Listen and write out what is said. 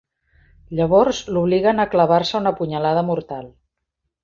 Llavors, l'obliguen a clavar-se una punyalada mortal.